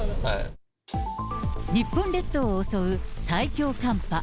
日本列島を襲う最強寒波。